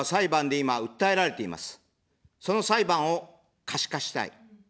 その裁判を可視化したい。